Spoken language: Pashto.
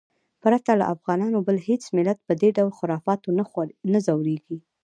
پرته له افغانانو بل هېڅ ملت په دې ډول خرافاتو نه ځورېږي.